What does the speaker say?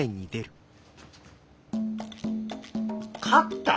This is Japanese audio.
勝った？